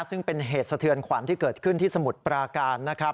ซึ่งเป็นเหตุสะเทือนขวัญที่เกิดขึ้นที่สมุทรปราการนะครับ